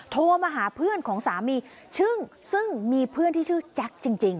โทรมาหาเพื่อนของสามีซึ่งมีเพื่อนที่ชื่อแจ็คจริง